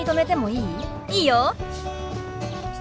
いいよ。